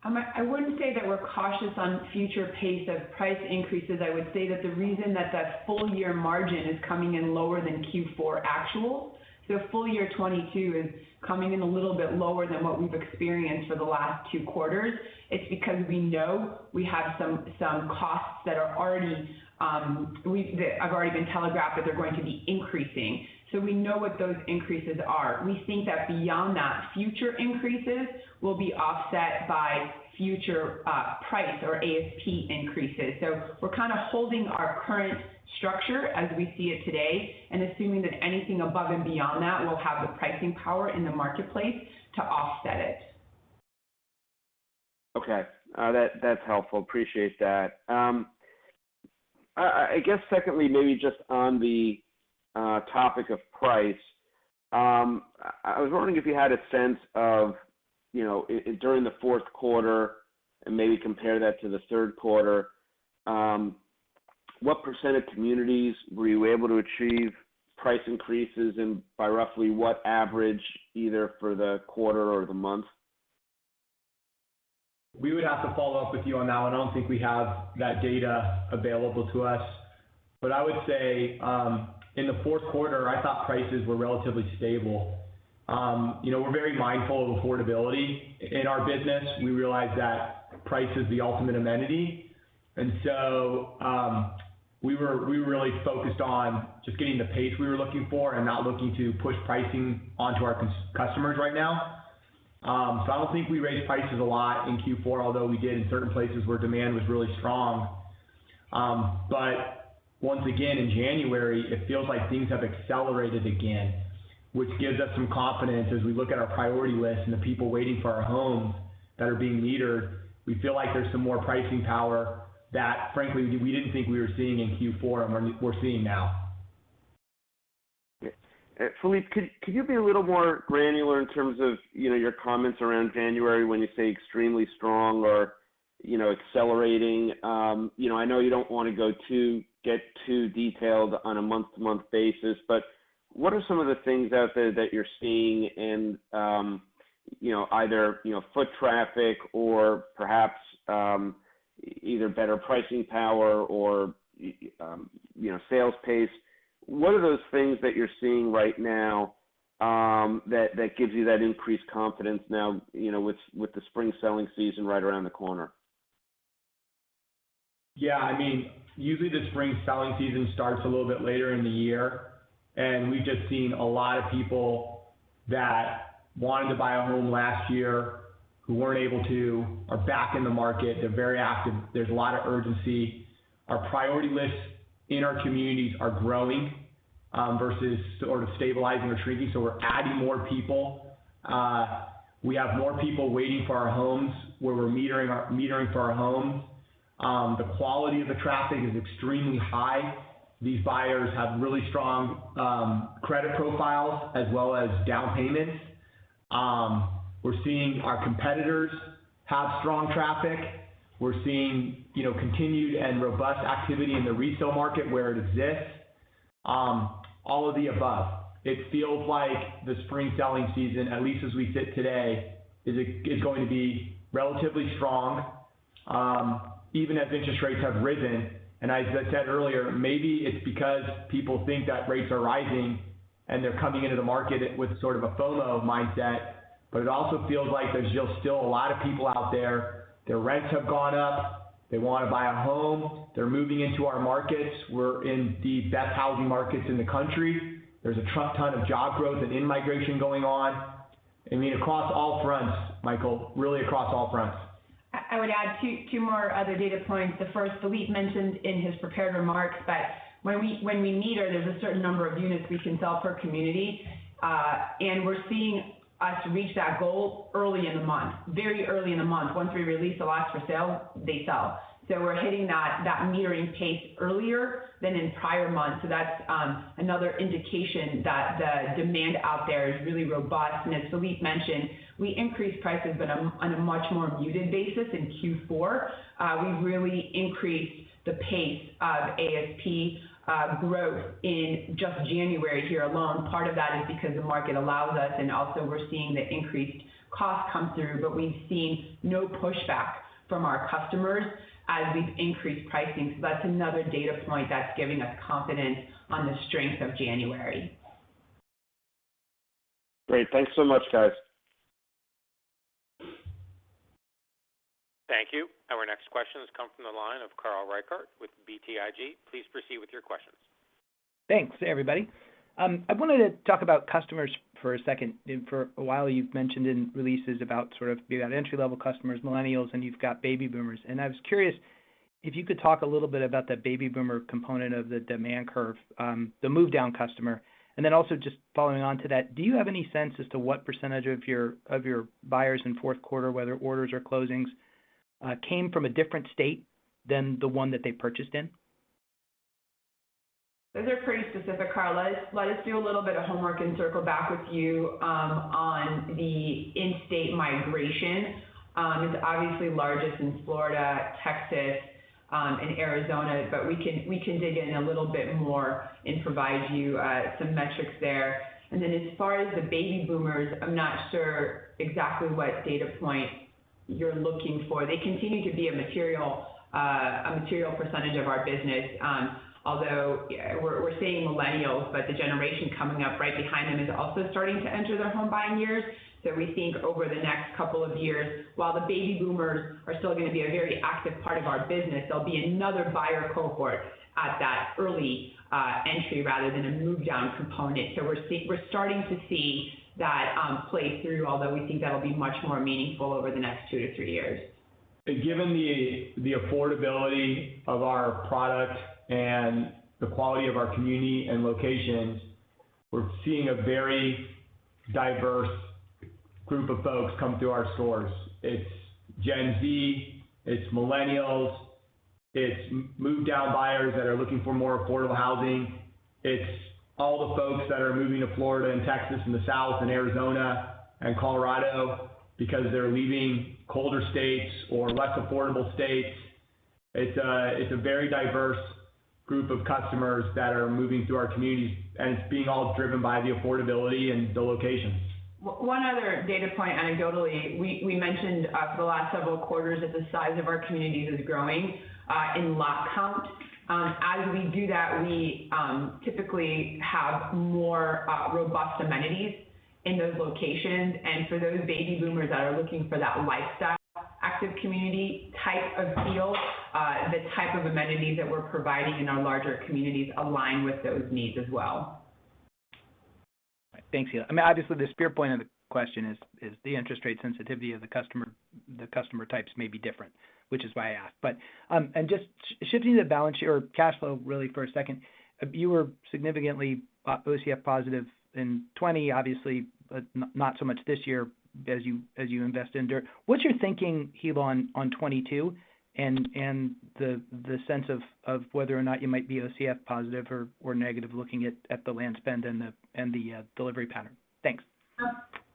I wouldn't say that we're cautious on future pace of price increases. I would say that the reason that full-year margin is coming in lower than Q4 actual, so full-year 2022 is coming in a little bit lower than what we've experienced for the last two quarters. It's because we know we have some costs that have already been telegraphed that they're going to be increasing. We know what those increases are. We think that beyond that, future increases will be offset by future price or ASP increases. We're kind of holding our current structure as we see it today and assuming that anything above and beyond that will have the pricing power in the marketplace to offset it. Okay. That's helpful. Appreciate that. I guess secondly, maybe just on the topic of price. I was wondering if you had a sense of, you know, during the fourth quarter and maybe compare that to the third quarter, what percent of communities were you able to achieve price increases and by roughly what average, either for the quarter or the month? We would have to follow-up with you on that one. I don't think we have that data available to us. I would say, in the fourth quarter, I thought prices were relatively stable. You know, we're very mindful of affordability in our business. We realize that price is the ultimate amenity. We were really focused on just getting the pace we were looking for and not looking to push pricing onto our customers right now. I don't think we raised prices a lot in Q4, although we did in certain places where demand was really strong. Once again, in January, it feels like things have accelerated again, which gives us some confidence as we look at our priority list and the people waiting for our homes that are being metered. We feel like there's some more pricing power that frankly, we didn't think we were seeing in Q4 and we're seeing now. Okay. Phillippe, could you be a little more granular in terms of, you know, your comments around January when you say extremely strong or, you know, accelerating? You know, I know you don't wanna get too detailed on a month-to-month basis, but what are some of the things out there that you're seeing in, you know, either, you know, foot traffic or perhaps, either better pricing power or, you know, sales pace? What are those things that you're seeing right now, that gives you that increased confidence now, you know, with the spring-selling season right around the corner? Yeah, I mean, usually the spring-selling season starts a little bit later in the year, and we've just seen a lot of people that wanted to buy a home last year who weren't able to, are back in the market. They're very active. There's a lot of urgency. Our priority lists in our communities are growing. Versus sort of stabilizing or shrinking. We're adding more people. We have more people waiting for our homes where we're metering for our homes. The quality of the traffic is extremely high. These buyers have really strong credit profiles as well as down payments. We're seeing our competitors have strong traffic. We're seeing, you know, continued and robust activity in the resale market where it exists. All of the above. It feels like the spring-selling season, at least as we sit today, is going to be relatively strong, even as interest rates have risen. As I said earlier, maybe it's because people think that rates are rising and they're coming into the market with sort of a FOMO mindset. It also feels like there's just still a lot of people out there, their rents have gone up, they wanna buy a home, they're moving into our markets. We're in the best housing markets in the country. There's a truck-ton of job growth and in-migration going on. I mean, across all fronts, Michael, really across all fronts. I would add two more other data points. The first Phillippe mentioned in his prepared remarks, but when we meter, there's a certain number of units we can sell per community. We're seeing we reach that goal early in the month, very early in the month. Once we release the lots for sale, they sell. We're hitting that metering pace earlier than in prior months. That's another indication that the demand out there is really robust. As Phillippe mentioned, we increased prices on a much more muted basis in Q4. We really increased the pace of ASP growth in just January here alone. Part of that is because the market allows us, and also we're seeing the increased cost come through. We've seen no pushback from our customers as we've increased pricing. That's another data point that's giving us confidence on the strength of January. Great. Thanks so much, guys. Thank you. Our next question has come from the line of Carl Reichardt with BTIG. Please proceed with your questions. Thanks, everybody. I wanted to talk about customers for a second. For a while, you've mentioned in releases about sort of you've got entry-level customers, millennials, and you've got baby boomers. I was curious if you could talk a little bit about the baby boomer component of the demand curve, the move-down customer. Then also just following on to that, do you have any sense as to what percentage of your buyers in fourth quarter, whether orders or closings, came from a different state than the one that they purchased in? Those are pretty specific, Carl. Let us do a little bit of homework and circle back with you on the in-state migration. It's obviously largest in Florida, Texas, and Arizona, but we can dig in a little bit more and provide you some metrics there. As far as the baby boomers, I'm not sure exactly what data point you're looking for. They continue to be a material percentage of our business. Although we're saying millennials, but the generation coming up right behind them is also starting to enter their home-buying years. We think over the next couple of years, while the baby boomers are still gonna be a very active part of our business, there'll be another buyer cohort at that early entry rather than a move-down component. We're starting to see that play through, although we think that'll be much more meaningful over the next two-three years. Given the affordability of our product and the quality of our community and locations, we're seeing a very diverse group of folks come through our stores. It's Gen Z, it's millennials, it's move-down buyers that are looking for more affordable housing. It's all the folks that are moving to Florida and Texas and the South and Arizona and Colorado because they're leaving colder states or less affordable states. It's a very diverse group of customers that are moving through our communities, and it's being all driven by the affordability and the locations. One other data point anecdotally. We mentioned for the last several quarters that the size of our communities is growing in lot count. As we do that, we typically have more robust amenities in those locations. For those baby boomers that are looking for that lifestyle, active community type of feel, the type of amenities that we're providing in our larger communities align with those needs as well. Thanks, Hilla. I mean, obviously the spear point of the question is the interest rate sensitivity of the customer. The customer types may be different, which is why I asked. Just shifting to the balance sheet or cash flow really for a second. You were significantly OCF-positive in 2020, obviously, not so much this year as you invest in dirt. What's your thinking, Hilla, on 2022 and the sense of whether or not you might be OCF positive or negative looking at the land spend and the delivery pattern? Thanks.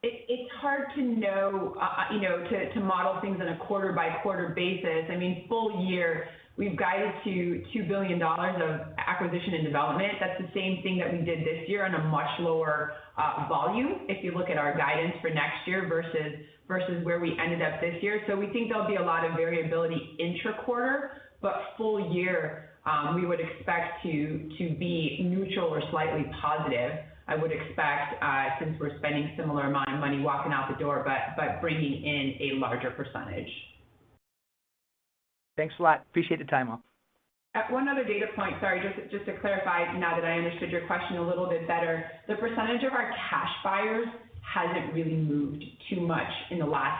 It's hard to know, you know, to model things on a quarter-by-quarter basis. I mean, full year, we've guided to $2 billion of acquisition and development. That's the same thing that we did this year on a much lower volume, if you look at our guidance for next year versus where we ended up this year. We think there'll be a lot of variability intra-quarter, but full year, we would expect to be neutral or slightly positive, I would expect, since we're spending similar amount of money walking out the door, but bringing in a larger percentage. Thanks a lot. Appreciate the time, all. One other data point. Sorry, just to clarify now that I understood your question a little bit better. The percentage of our cash buyers hasn't really moved too much in the last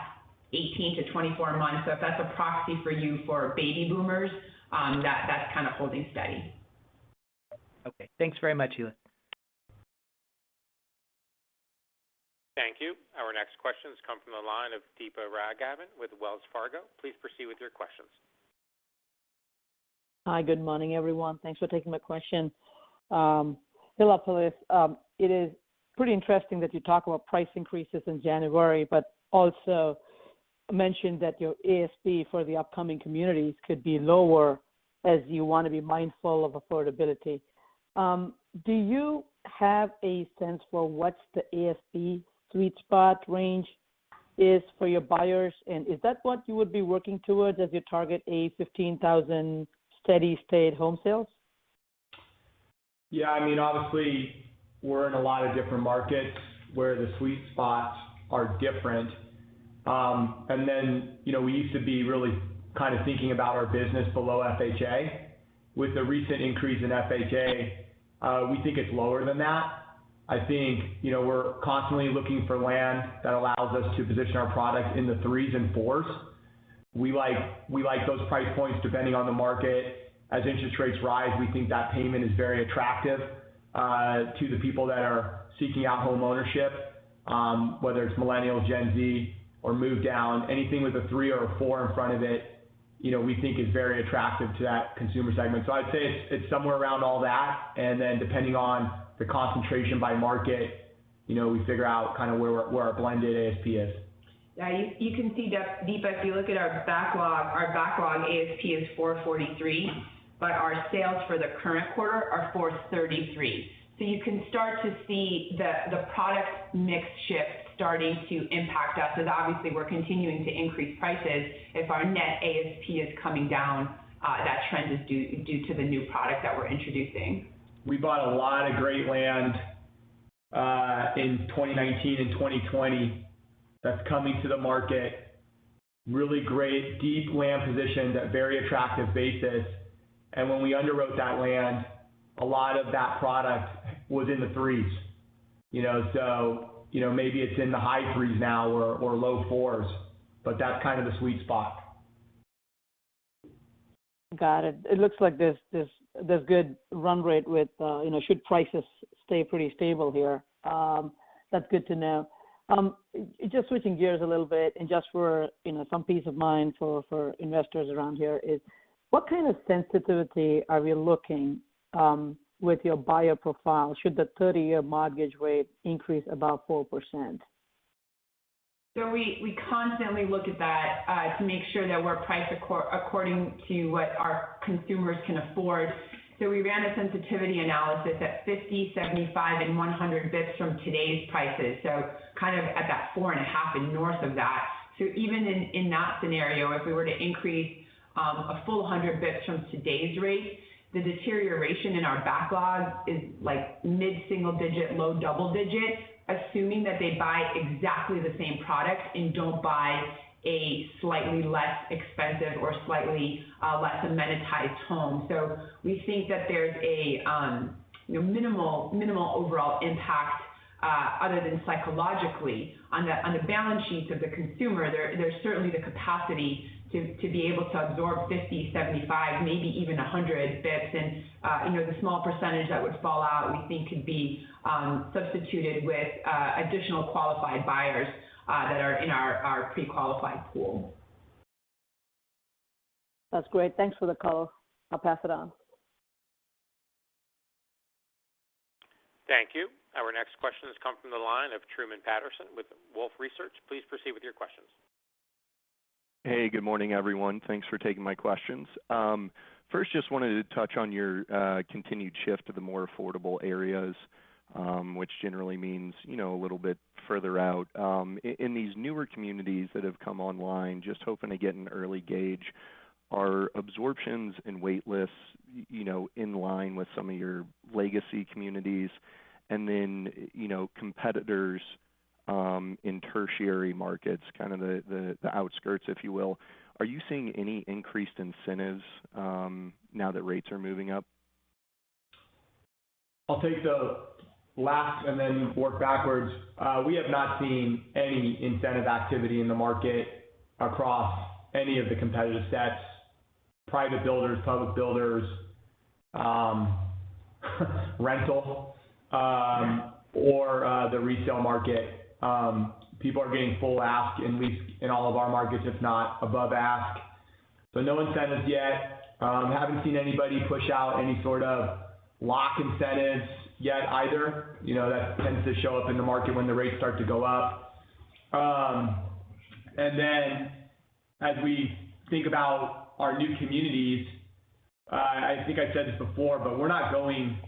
18-24 months. If that's a proxy for you for baby boomers, that's kind of holding steady. Okay. Thanks very much, Hilla. Thank you. Our next question has come from the line of Deepa Raghavan with Wells Fargo. Please proceed with your questions. Hi, good morning, everyone. Thanks for taking my question. Phillippe, it is pretty interesting that you talk about price increases in January, but also mentioned that your ASP for the upcoming communities could be lower as you want to be mindful of affordability. Do you have a sense for what's the ASP sweet spot range is for your buyers? Is that what you would be working towards as you target a 15,000 steady-state home sales? Yeah, I mean, obviously we're in a lot of different markets where the sweet spots are different. You know, we used to be really kind of thinking about our business below FHA. With the recent increase in FHA, we think it's lower than that. I think, you know, we're constantly looking for land that allows us to position our products in the threes and fours. We like those price points depending on the market. As interest rates rise, we think that payment is very attractive to the people that are seeking out homeownership, whether it's millennial, Gen Z, or move down. Anything with a three or a four in front of it, you know, we think is very attractive to that consumer segment. I'd say it's somewhere around all that. Depending on the concentration by market, you know, we figure out kind of where our blended ASP is. Yeah, you can see Deepa, if you look at our backlog, our backlog ASP is $443, but our sales for the current quarter are $433. You can start to see the product mix shift starting to impact us as obviously we're continuing to increase prices. If our net ASP is coming down, that trend is due to the new product that we're introducing. We bought a lot of great land in 2019 and 2020 that's coming to the market. Really great deep land positions at very attractive basis. When we underwrote that land, a lot of that product was in the threes, you know. You know, maybe it's in the high threes now or low fours, but that's kind of the sweet spot. Got it. It looks like there's good run rate with, you know, should prices stay pretty stable here. That's good to know. Just switching gears a little bit and just for you know some peace of mind for investors around here is what kind of sensitivity are we looking with your buyer profile should the 30-year mortgage rate increase above 4%? We constantly look at that to make sure that we're priced according to what our consumers can afford. We ran a sensitivity analysis at 50, 75, and 100 basis points from today's prices. Kind of at that 4.5 and north of that. Even in that scenario, if we were to increase a full 100 basis points from today's rates, the deterioration in our backlog is like mid-single digit, low-double digit, assuming that they buy exactly the same product and don't buy a slightly less expensive or slightly less amenitized home. We think that there's a you know, minimal overall impact other than psychologically on the balance sheets of the consumer. There's certainly the capacity to be able to absorb 50, 75, maybe even 100 basis points. You know, the small percentage that would fall out, we think could be substituted with additional qualified buyers that are in our pre-qualified pool. That's great. Thanks for the call. I'll pass it on. Thank you. Our next question has come from the line of Truman Patterson with Wolfe Research. Please proceed with your questions. Hey, good morning, everyone. Thanks for taking my questions. First, just wanted to touch on your continued shift to the more affordable areas, which generally means, you know, a little bit further out. In these newer communities that have come online, just hoping to get an early gauge, are absorptions and wait lists, you know, in line with some of your legacy communities? Then, you know, competitors in tertiary markets, kind of the outskirts, if you will, are you seeing any increased incentives now that rates are moving up? I'll take the last and then work backwards. We have not seen any incentive activity in the market across any of the competitive sets, private builders, public builders, rental, or the resale market. People are getting full-ask in all of our markets, if not above-ask. No incentives yet. Haven't seen anybody push out any sort of lock incentives yet either. You know, that tends to show up in the market when the rates start to go up. As we think about our new communities, I think I said this before, but we're not going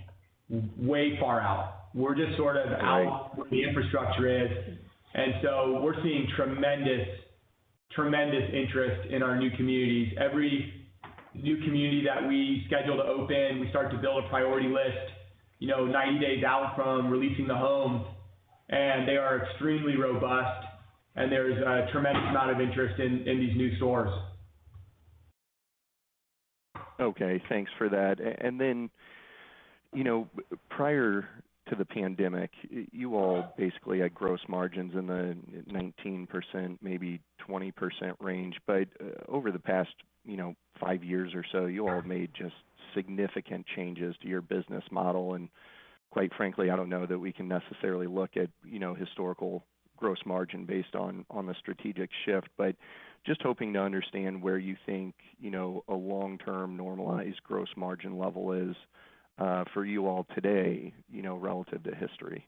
way far out. We're just sort of out where the infrastructure is. We're seeing tremendous interest in our new communities. Every new community that we schedule to open, we start to build a priority list, you know, 90 days out from releasing the homes, and they are extremely robust, and there's a tremendous amount of interest in these new source. Okay, thanks for that. You know, prior to the pandemic, you all basically had gross margins in the 19%, maybe 20% range. Over the past, you know, five years or so, you all have made just significant changes to your business model. Quite frankly, I don't know that we can necessarily look at, you know, historical gross margin based on the strategic shift. Just hoping to understand where you think, you know, a long-term normalized gross margin level is for you all today, you know, relative to history.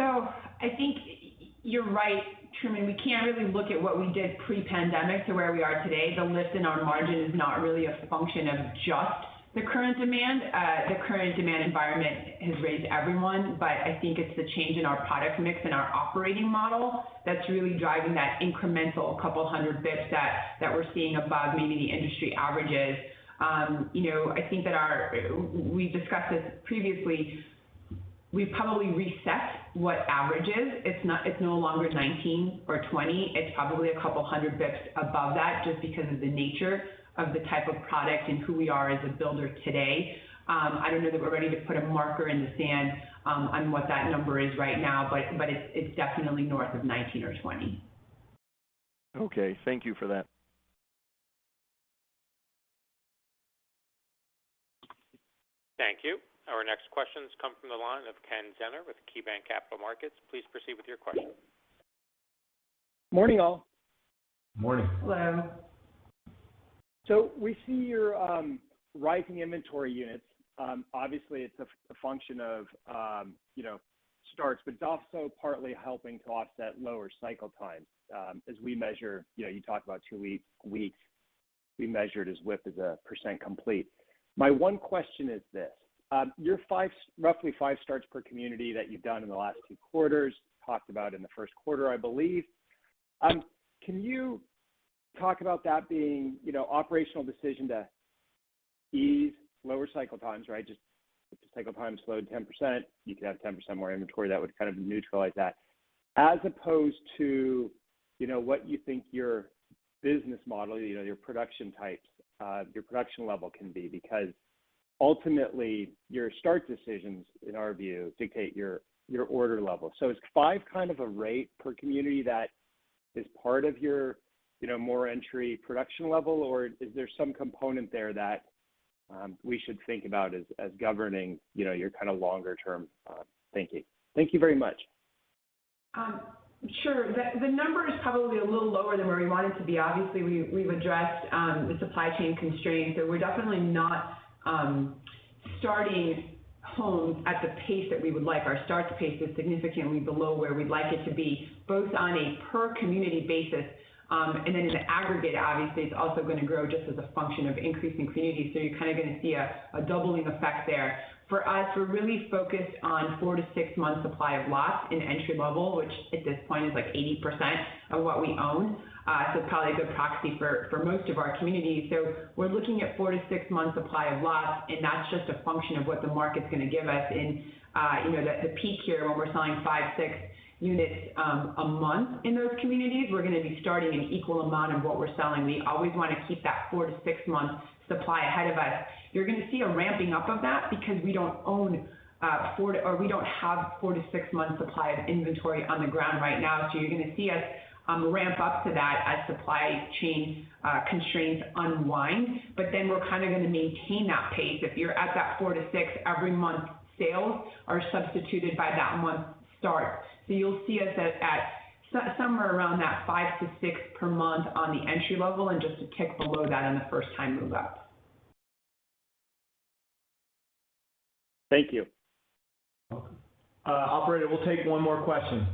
I think you're right, Truman. We can't really look at what we did pre-pandemic to where we are today. The lift in our margin is not really a function of just the current demand. The current demand environment has raised everyone, but I think it's the change in our product mix and our operating model that's really driving that incremental couple of hundred basis points that we're seeing above maybe the industry averages. You know, I think that we discussed this previously, we've probably reset what average is. It's not, it's no longer 19 or 20, it's probably a couple of hundred basis points above that, just because of the nature of the type of product and who we are as a builder today. I don't know that we're ready to put a marker in the sand on what that number is right now, but it's definitely north of 19 or 20. Okay. Thank you for that. Thank you. Our next questions come from the line of Ken Zener with KeyBanc Capital Markets. Please proceed with your question. Morning, all. Morning. Hello. We see your rising inventory units. Obviously, it's a function of, you know, starts, but it's also partly helping to offset lower cycle times, as we measure. You know, you talk about two weeks we measured as WIP, as a percent complete. My one question is this. Your roughly five starts per community that you've done in the last two quarters, talked about in the first quarter, I believe. Can you talk about that being, you know, operational decision to ease lower cycle times, right? Just if the cycle time is slowed 10%, you could have 10% more inventory. That would kind of neutralize that. As opposed to, you know, what you think your business model, you know, your production types, your production level can be. Because ultimately, your start decisions, in our view, dictate your order level. Is five kind of a rate per community that is part of your, you know, more entry production level? Is there some component there that we should think about as governing, you know, your kind of longer term thinking? Thank you very much. Sure. The number is probably a little lower than where we want it to be. Obviously, we've addressed the supply chain constraints, so we're definitely not starting homes at the pace that we would like. Our starts pace is significantly below where we'd like it to be, both on a per-community basis and then in the aggregate. Obviously, it's also gonna grow just as a function of increasing communities. You're kind of gonna see a doubling effect there. For us, we're really focused on four- to six-month supply of lots in entry level, which at this point is like 80% of what we own. It's probably a good proxy for most of our communities. We're looking at four- to six-month supply of lots, and that's just a function of what the market's gonna give us in the peak here when we're selling five, six units a month in those communities. We're gonna be starting an equal amount of what we're selling. We always wanna keep that four- to six-month supply ahead of us. You're gonna see a ramping up of that because we don't have four- to six-month supply of inventory on the ground right now. You're gonna see us ramp up to that as supply chain constraints unwind. But then we're kind of gonna maintain that pace. If you're at that four-six every month, sales are substituted by that month start. You'll see us at somewhere around that five-six per month on the entry level and just a tick below that in the first-time move up. Thank you. Operator, we'll take one more question.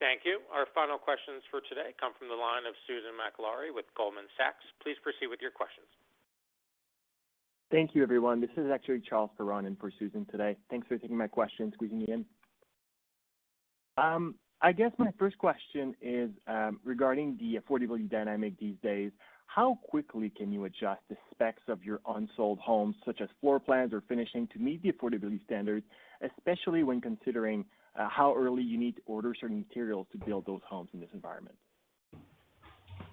Thank you. Our final questions for today come from the line of Susan Maklari with Goldman Sachs. Please proceed with your questions. Thank you, everyone. This is actually Charles Perron in for Susan today. Thanks for taking my question, squeezing me in. I guess my first question is, regarding the affordability dynamic these days. How quickly can you adjust the specs of your unsold homes, such as floor plans or finishing, to meet the affordability standards, especially when considering, how early you need to order certain materials to build those homes in this environment?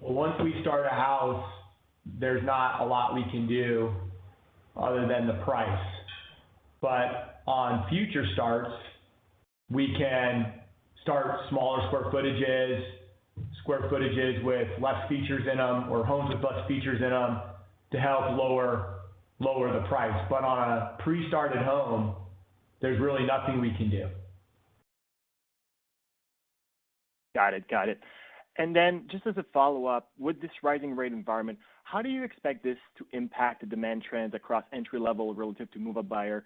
Well, once we start a house, there's not a lot we can do other than the price. On future starts, we can start smaller square footages, square footages with less features in them, or homes with less features in them to help lower the price. On a pre-started home, there's really nothing we can do. Got it. Just as a follow-up, with this rising rate environment, how do you expect this to impact the demand trends across entry level relative to move-up buyer?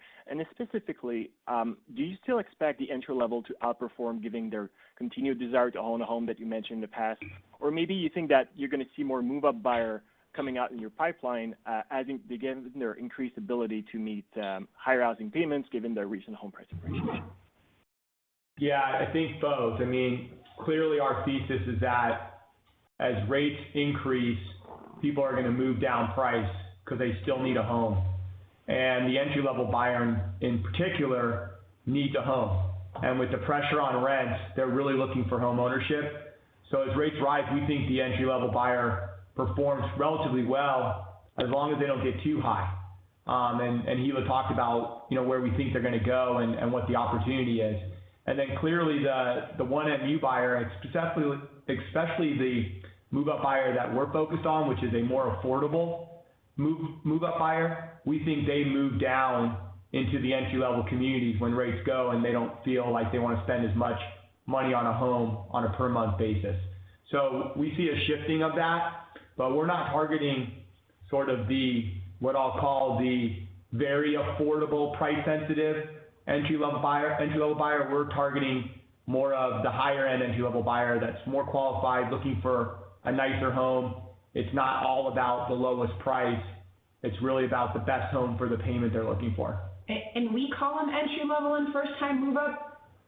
Specifically, do you still expect the entry level to outperform given their continued desire to own a home that you mentioned in the past? Maybe you think that you're gonna see more move-up buyer coming out in your pipeline, as it begins with their increased ability to meet higher housing payments given the recent home price appreciation? Yeah, I think both. I mean, clearly our thesis is that as rates increase, people are gonna move down price because they still need a home. The entry-level buyer in particular need the home. With the pressure on rents, they're really looking for homeownership. As rates rise, we think the entry-level buyer performs relatively well as long as they don't get too high. Hilla talked about, you know, where we think they're gonna go and what the opportunity is. Clearly the 1MU buyer, especially the move-up buyer that we're focused on, which is a more affordable move-up buyer, we think they move down into the entry-level communities when rates go, and they don't feel like they want to spend as much money on a home on a per-month basis. We see a shifting of that, but we're not targeting sort of the, what I'll call the very affordable price sensitive entry-level buyer. We're targeting more of the higher-end entry-level buyer that's more qualified, looking for a nicer home. It's not all about the lowest price. It's really about the best home for the payment they're looking for. We call them entry-level and first-time move-up.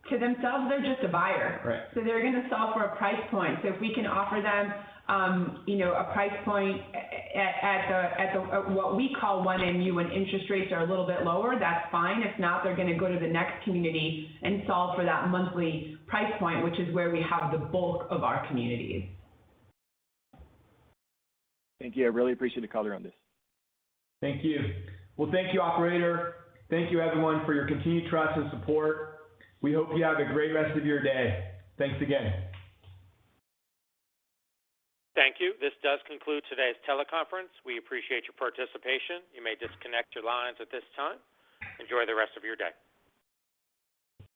To themselves, they're just a buyer. Right. They're gonna solve for a price point. If we can offer them a price point at what we call 1MU when interest rates are a little bit lower, that's fine. If not, they're gonna go to the next community and solve for that monthly price point, which is where we have the bulk of our communities. Thank you. I really appreciate the color on this. Thank you. Well, thank you, operator. Thank you everyone for your continued trust and support. We hope you have a great rest of your day. Thanks again. Thank you. This does conclude today's teleconference. We appreciate your participation. You may disconnect your lines at this time. Enjoy the rest of your day.